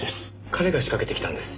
彼が仕掛けてきたんです。